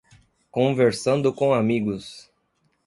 Conversando com amigos